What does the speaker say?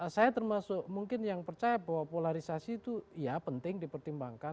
saya termasuk mungkin yang percaya bahwa polarisasi itu ya penting dipertimbangkan